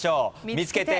見つけて！